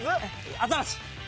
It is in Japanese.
アザラシ。